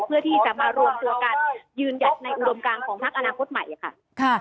เพื่อที่จะมารวมตัวกันยืนยันในอุดมการของพักอนาคตใหม่ค่ะ